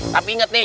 tapi inget nih